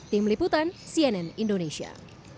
tim liputan cnn indonesia